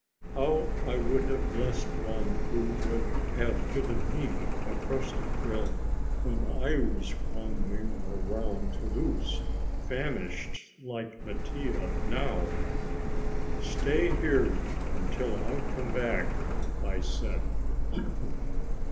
How I would have blessed one who would have given me a crust of bread when I was wandering round Toulouse, famished like Mattia now. "Stay here until I come back," I said.